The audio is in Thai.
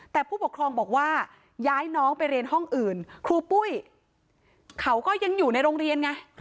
แต่ผู้ปกครองบอกว่าย้ายน้องไปเรียนห้องอื่นครูปุ้ยเขาก็ยังอยู่ในโรงเรียนไง